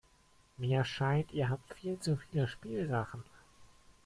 Mir scheint, ihr habt viel zu viele Spielsachen.